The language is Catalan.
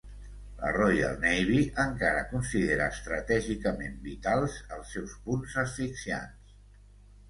La Royal Navy encara considera estratègicament vitals els seus punts asfixiants.